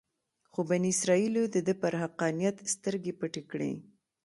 خو بني اسرایلو دده پر حقانیت سترګې پټې کړې.